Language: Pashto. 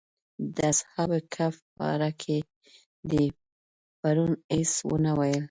د اصحاب کهف باره کې دې پرون هېڅ ونه ویل.